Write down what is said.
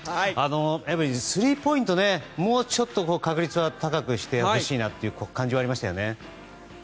エブリンスリーポイントの確率をもうちょっと高くしてほしいなという感じはありましたよね。